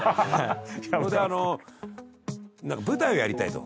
それであの何か舞台をやりたいと。